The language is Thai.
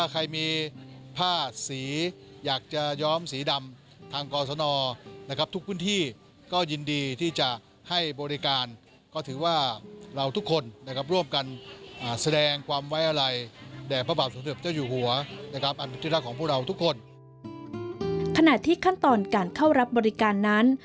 ขณะที่ขั้นตอนการเข้ารับบริการนั้น